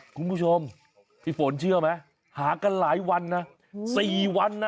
คุณผู้ชมพี่ฝนเชื่อไหมหากันหลายวันนะ๔วันนะ